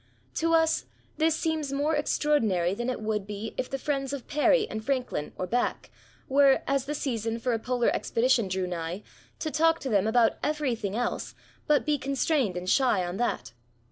To us this seems more extra* ordinary than it would be if the friends of Parry, and Eranklin, or Back, were, as the season for a Polar expedition drew nigh, to talk to them about everything else, but be constrained and shy on that.